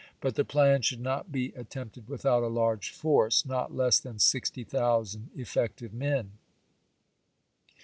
But the plan should not be at isS^w^e. tempted without a large force, not less than sixty Jp.^sSsii' thousand effective men."